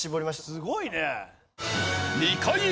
すごいね！